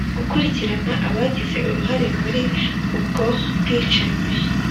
gukurikirana abagize uruhare muri ubwo bwicanyi